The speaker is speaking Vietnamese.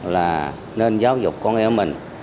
là nên giáo dục con em mình